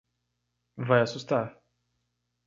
Vai assustar.